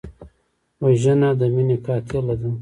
وژنه د مینې قاتله ده